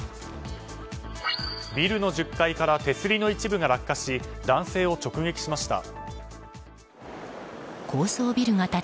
ビルの１０階から手すりの一部が落下し男性を直撃しました。